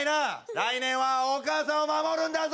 来年はお母さんをまもるんだぞ！